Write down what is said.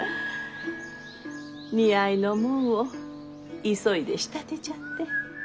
似合いのもんを急いで仕立てちゃって。